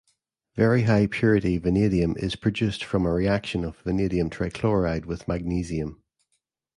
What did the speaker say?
Very high-purity vanadium is produced from a reaction of vanadium trichloride with magnesium.